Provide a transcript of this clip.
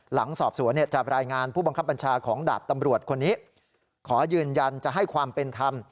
หลังสอบสวนจะรายงานผู้บังคับบัญชาของดาบตำรวจคนนี้ขอยืนยันจะให้ความเป็นธรรม